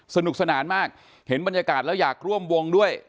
สนุกสนานมากเห็นบรรยากาศแล้วอยากร่วมวงด้วย